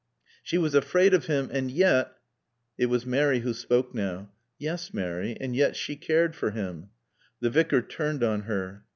"She was afraid of him and yet " It was Mary who spoke now. "Yes, Mary. And yet she cared for him." The Vicar turned on her.